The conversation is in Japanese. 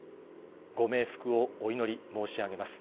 ご冥福をお祈り申し上げます。